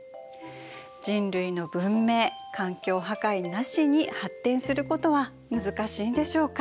人類の文明環境破壊なしに発展することは難しいんでしょうか。